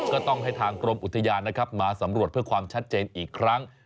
ก็ต้องให้ทางกรมอุทยานนะครับมาสำรวจเพื่อความชัดเจนอีกครั้ง